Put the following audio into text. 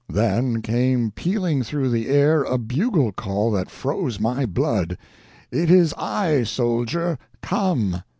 Then came pealing through the air a bugle call that froze my blood—"It is I, Soldier—come!"